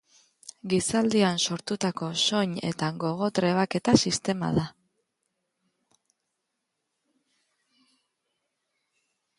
Gizaldian sortutako soin- eta gogo-trebaketa sistema da.